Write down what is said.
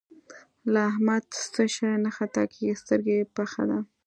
له احمده څه شی نه خطا کېږي؛ سترګه يې پخه ده.